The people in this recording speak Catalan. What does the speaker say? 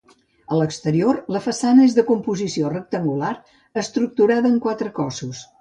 A l'exterior, la façana és de composició rectangular estructurada en quatre cossos.